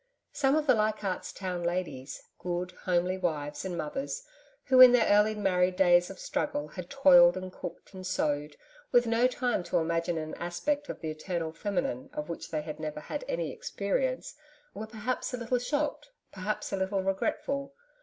Some of the Leichardt's Town ladies good, homely wives and mothers who, in their early married days of struggle, had toiled and cooked and sewed, with no time to imagine an aspect of the Eternal Feminine of which they had never had any experience, were perhaps a little shocked, perhaps a little regretful.